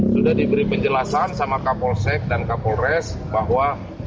sudah diberi penjelasan sama kapolsek dan kapolres bahwa